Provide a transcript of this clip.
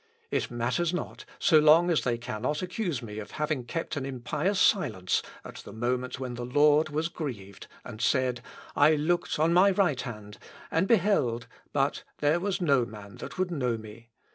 It matters not, so long as they cannot accuse me of having kept an impious silence at the moment when the Lord was grieved, and said 'I looked on my right hand, and beheld but there was no man that would know me.'